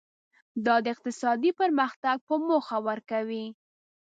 دا د اقتصادي پرمختګ په موخه ورکوي.